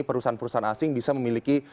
perusahaan perusahaan asing bisa memiliki